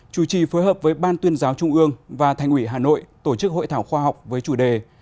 chủ trì phối hợp với ban tuyên giáo trung ương và thành ủy hà nội tổ chức hội thảo khoa học với chủ đề